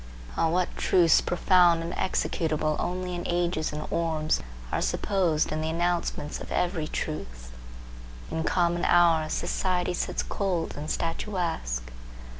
O, what truths profound and executable only in ages and orbs, are supposed in the announcement of every truth! In common hours, society sits cold and statuesque.